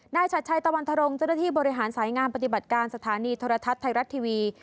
ชัดชัยตะวันทรงเจ้าหน้าที่บริหารสายงานปฏิบัติการสถานีโทรทัศน์ไทยรัฐทีวี